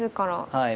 はい。